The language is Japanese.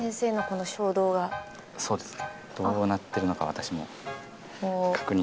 そうですね。